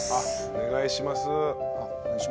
お願いします。